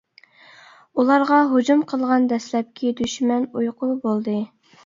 ئۇلارغا ھۇجۇم قىلغان دەسلەپكى دۈشمەن ئۇيقۇ بولدى.